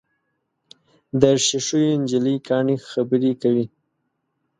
د ښیښو نجلۍ کاڼي خبرې کوي.